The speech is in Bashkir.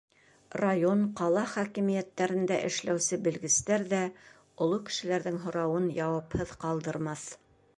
Район, ҡала хакимиәттәрендә эшләүсе белгестәр ҙә оло кешеләрҙең һорауын яуапһыҙ ҡалдырмаҫ.